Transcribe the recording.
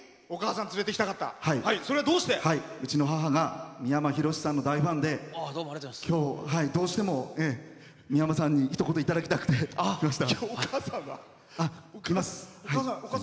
うちの母が三山ひろしさんの大ファンできょう、どうしても三山さんにひと言いただきたくて来ました。